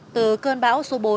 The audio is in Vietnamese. từ cơn bão số bốn